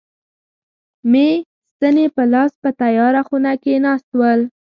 مې ستنې په لاس په تیاره خونه کې ناست ول.